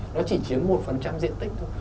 nó chỉ chiếm một diện tích thôi